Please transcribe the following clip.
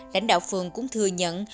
lãnh đạo phường cũng thừa nhận